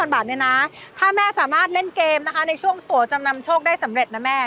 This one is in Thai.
บาทเนี่ยนะถ้าแม่สามารถเล่นเกมนะคะในช่วงตัวจำนำโชคได้สำเร็จนะแม่